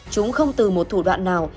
chúng không từ một thủ đoạn nào